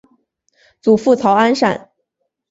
祖父曹安善。